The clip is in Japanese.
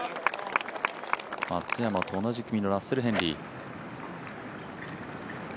松山と同じ組のラッセル・ヘンリー。